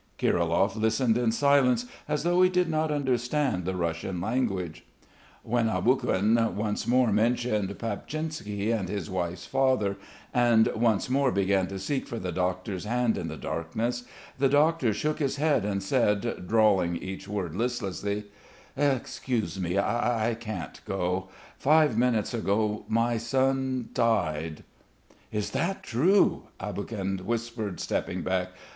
Kirilov listened in silence as though he did not understand the Russian language. When Aboguin once more mentioned Papchinsky and his wife's father, and once more began to seek for the doctor's hand in the darkness, the doctor shook his head and said, drawling each word listlessly: "Excuse me, but I can't go.... Five minutes ago my ... my son died." "Is that true?" Aboguin whispered, stepping back.